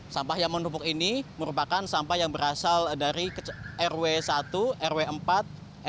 sampah yang menumpuk ini merupakan sampah yang berasal dari rw sampah